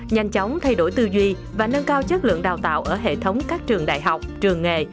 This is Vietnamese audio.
nhanh chóng thay đổi tư duy và nâng cao chất lượng đào tạo ở hệ thống các trường đại học trường nghề